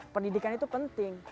pendidikan itu penting